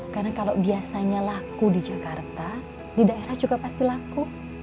karena kalau biasanya laku di jakarta di daerah juga pasti laku